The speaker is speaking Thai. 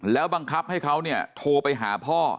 แล้วบังคับให้เขาเนี่ยโทรไปหาพ่อ